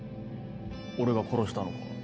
俺が殺したのか？